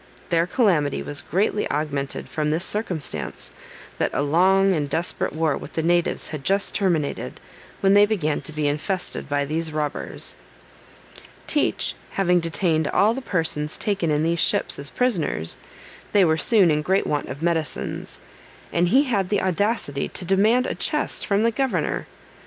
Their calamity was greatly augmented from this circumstance, that a long and desperate war with the natives had just terminated, when they began to be infested by these robbers. Teach having detained all the persons taken in these ships as prisoners, they were soon in great want of medicines, and he had the audacity to demand a chest from the governor.